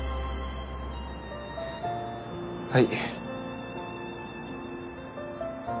はい。